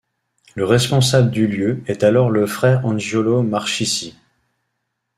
Le responsable du lieu est alors le frère Angiolo Marchissi.